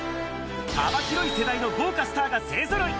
幅広い世代の豪華スターが勢ぞろい。